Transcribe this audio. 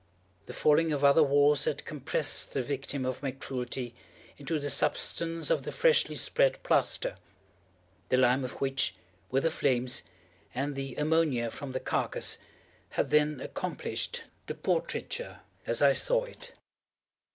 The falling of other walls had compressed the victim of my cruelty into the substance of the freshly spread plaster; the lime of which, with the flames, and the ammonia from the carcass, had then accomplished the portraiture as I saw it.